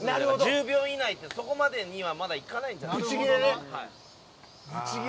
１０秒以内って、そこまでにはまだいかないんじゃないかなって。